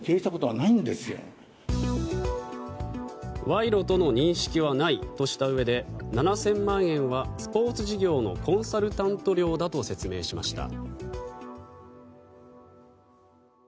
賄賂との認識はないとしたうえで７０００万円はスポーツ事業のコンサルタント料だと説明しました。